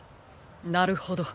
なるほど。